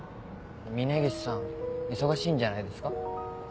峰岸さん忙しいんじゃないですか？